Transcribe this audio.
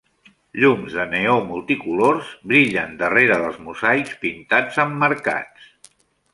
Llums de neó multicolors brillen darrere dels mosaics pintats emmarcats.